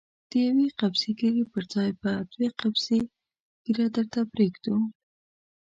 د يوې قبضې ږيرې پر ځای به دوې قبضې ږيره درته پرېږدو.